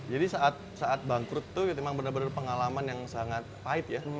jadi saat bangkrut itu memang benar benar pengalaman yang sangat pahit ya